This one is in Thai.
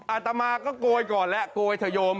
อาตำาก็โกยก่อนแหละโกยเถอะโยม